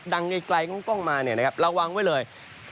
ดังไกลต้องมานะครับระวังไว้เลย